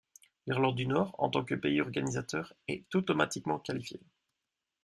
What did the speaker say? L'Irlande du Nord, en tant que pays organisateur, est automatiquement qualifiée.